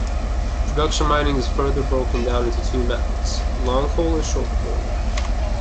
Production mining is further broken down into two methods, long hole and short hole.